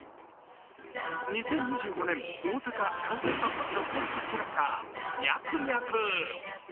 ２０２５年大阪・関西万博の公式キャラクター・ミャクミャク。